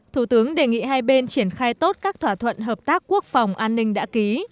thủ tướng đề nghị hai bên triển khai tốt các thỏa thuận hợp tác quốc phòng an ninh đã ký